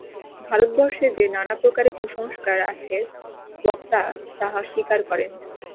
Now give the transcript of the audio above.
ভারতবর্ষে যে নানা প্রকারের কুসংস্কার আছে, বক্তা তাহা স্বীকার করেন।